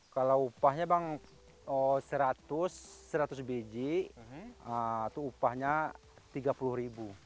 kalau upahnya bang seratus seratus biji itu upahnya rp tiga puluh ribu